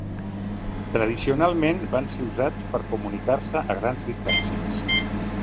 Tradicionalment, van ser usats per a comunicar-se a grans distàncies.